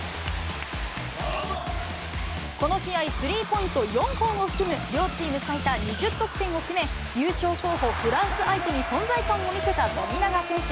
この試合、スリーポイント４本を含む両チーム最多２０得点を決め、優勝候補、フランス相手に存在感を見せた富永選手。